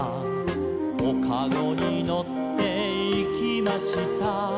「おかごにのっていきました」